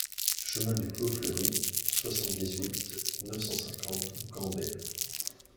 Chemin du Clos Fleury, soixante-dix-huit, neuf cent cinquante Gambais